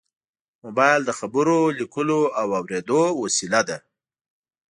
موبایل د خبرو، لیکلو او اورېدو وسیله ده.